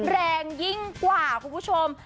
แรงยิ่งกว่าคุณผู้ชม